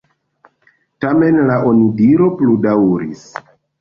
Tamen la onidiro pludaŭris.